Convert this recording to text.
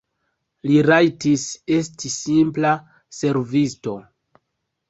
Li rajtis esti simpla servisto.